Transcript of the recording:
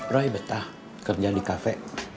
roy betah kerjaan di kafe